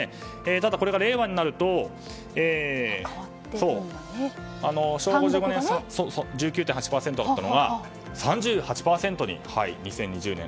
ただこれが令和になると昭和５５年は１９．８％だったのが３８％に２０２０年には。